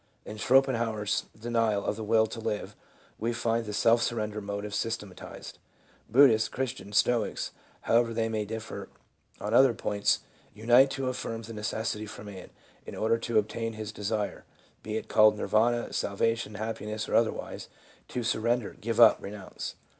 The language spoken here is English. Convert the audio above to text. In Schopen hauer's denial of the will to live, we find this self surrender motive systematized. Buddhists, Christians, Stoics, how ever they may differ on other points, unite to affirm the necessity for man, in order to obtain his desire, — be it called Nirvana, salvation, happiness or otherwise, — to surrender, give up, renounce.